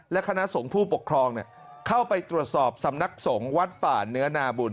และคณะสงฆ์ผู้ปกครองเข้าไปตรวจสอบสำนักสงฆ์วัดป่าเนื้อนาบุญ